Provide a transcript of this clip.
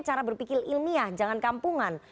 cara berpikir ilmiah jangan kampungan